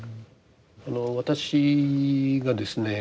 私がですね